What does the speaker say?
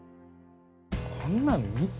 こんなん見た？